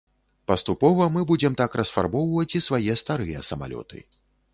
Паступова мы будзем так расфарбоўваць і свае старыя самалёты.